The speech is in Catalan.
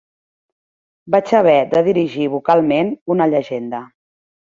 Vaig haver de dirigir vocalment una llegenda.